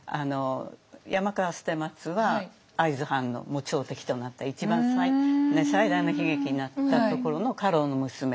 山川捨松は会津藩の朝敵となった一番最大の悲劇になったところの家老の娘。